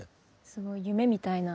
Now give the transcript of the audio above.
すごい夢みたいな。